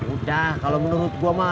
udah kalau menurut gue mah